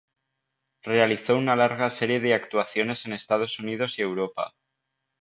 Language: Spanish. Realizó una larga serie de actuaciones en Estados Unidos y Europa.